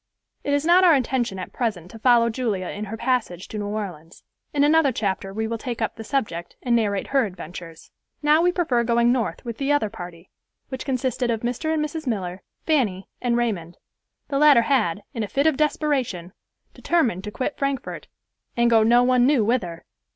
It is not our intention at present to follow Julia in her passage to New Orleans. In another chapter we will take up the subject, and narrate her adventures. Now we prefer going North with the other party, which consisted of Mr. and Mrs. Miller, Fanny and Raymond. The latter had, in a fit of desperation, determined to quit Frankfort, and go no one knew whither.